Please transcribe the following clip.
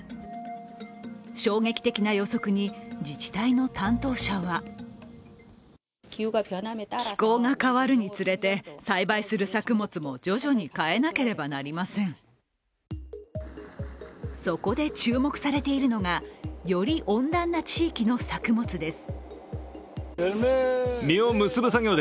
衝撃的な予測に自治体の担当者はそこで注目されているのがより温暖な地域の作物です。